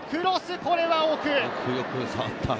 これは奥。